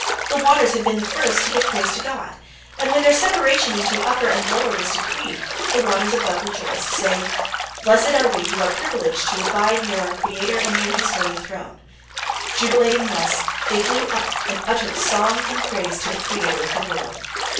The waters had been the first to give praise to God, and when their separation into upper and lower was decreed, the waters above rejoiced, saying, "Blessed are we who are privileged to abide near our Creator and near His Holy Throne." Jubilating thus, they flew upward, and uttered song and praise to the Creator of the world.